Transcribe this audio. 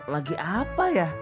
lagi apa ya